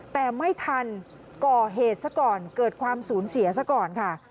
แต่ไม่ทันก่อเหตุซะก่อนเกิดความสูญเสียซะก่อนค่ะ